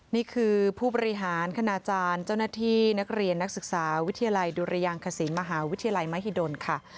นี่คือผู้บริหารคณาจารย์เจ้าหน้าที่นักเรียนนักศึกษาวิทยาลัยดุรยางคศิลปมหาวิทยาลัยมหิดลค่ะ